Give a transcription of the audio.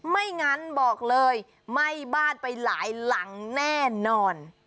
ไม่งั้นบอกเลยไหม้บ้านไปหลายหลังแน่นอน